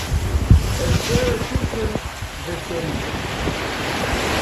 Ekstere tute vesperiĝis.